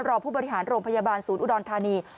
ผู้บริหารโรงพยาบาลศูนย์อุดรธานี